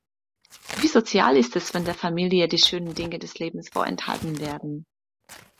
Wie sozial ist es, wenn der Familie die schönen Dinge des Lebens vorenthalten werden?